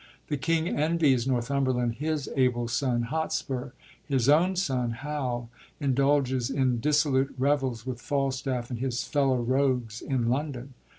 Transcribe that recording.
The king envies Northumberland his able son, Hotspur ; his own son Hal indulges in dissolute revels with Falstaff and his fellow rogues in London.